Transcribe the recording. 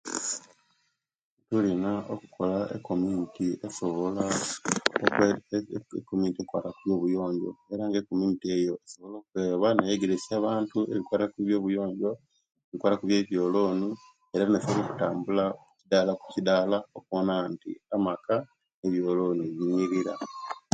Tulina okola ekominiti esobola ekominiti ekwata ku buyonjo era ekominiti eyo eyegesya abantu ebikwata okubyebuyonjo bekwata okubyelooni era nesobola okutambula kiddala kukiddala okuwona inti amaka ebyoloni binyirira